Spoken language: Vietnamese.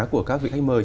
của các vị khách mời